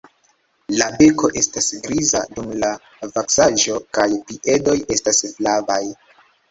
La beko estas griza dum la vaksaĵo kaj piedoj estas flavaj.